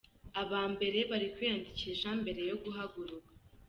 Aba mbere bari kwiyandikisha mbere yo guhaguruka.